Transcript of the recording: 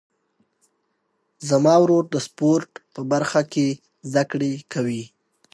زما ورور د سپورټ په برخه کې زده کړې کوي.